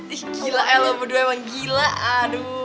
ih gila lo berdua emang gila aduh